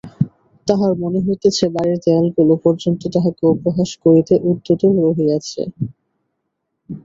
তাহার মনে হইতেছে, বাড়ির দেওয়ালগুলো পর্যন্ত তাহাকে উপহাস করিতে উদ্যত রহিয়াছে।